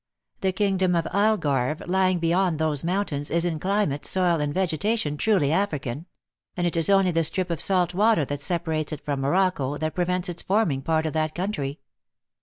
The kingdom of Algarve, lying be yond those mountains, is, in climate, soil, and vegeta tion, truly African ; and it is only the strip of salt water that separates it from Morocco, that prevents its forming part of that country."